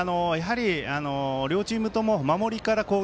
両チームとも守りから攻撃。